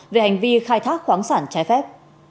về hành vi khai thác khoáng sản trái phép